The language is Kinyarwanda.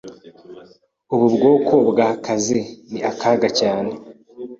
Ubu bwoko bwakazi ni akaga cyane.